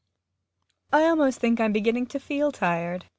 ] I almost think I'm beginning to feel tired.